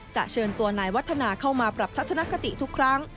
เชิญตัวนายวัฒนาเข้ามาปรับทัศนคติทุกครั้ง